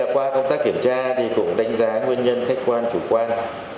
qua công tác kiểm tra cũng đánh giá nguyên nhân khách quan chủ quan